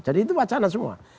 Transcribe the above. jadi itu wacana semua